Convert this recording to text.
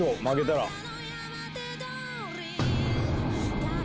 負けたら。